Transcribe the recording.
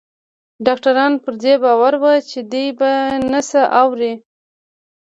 ډاکتران پر دې باور وو چې دی به نه څه واوري.